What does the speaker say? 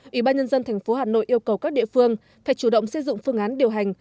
ủy ban nhân dân tp hà nội yêu cầu các địa phương phải chủ động xây dựng phương án điều hành